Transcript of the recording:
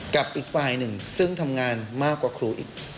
กับอีกฝ่ายหนึ่งซึ่งทำงานมากกว่าครูอีก